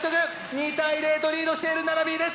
２対０とリードしている奈良Ｂです。